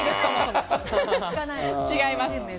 違います。